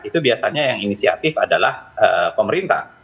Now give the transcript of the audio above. itu biasanya yang inisiatif adalah pemerintah